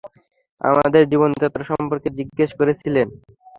আমাদের জীবনযাত্রা সম্পর্কে জিজ্ঞেস করেছিলেন।